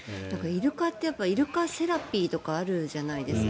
イルカってイルカセラピーとかあるじゃないですか。